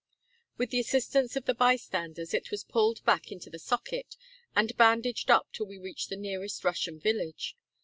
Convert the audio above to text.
With the assistance of the bystanders it was pulled back into the socket, and bandaged up till we reached the nearest Russian village.